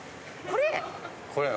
これ？